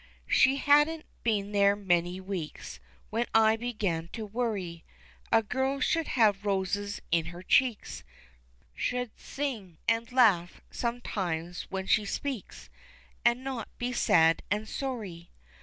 She hadn't been there many weeks When I began to worry. A girl should have roses in her cheeks, Should sing, and laugh sometimes when she speaks, And not be sad and sorry.